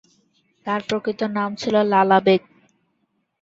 তার প্রকৃত নাম ছিল লালা বেগ।